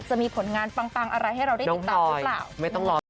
จะมีผลงานปังปังอะไรให้เราได้ติดตามหรือเปล่า